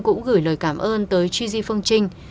cũng gửi lời cảm ơn tới chì di phương trinh